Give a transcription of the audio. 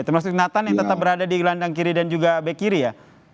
termasuk nathan yang tetap berada di gelandang kiri dan juga back kiri ya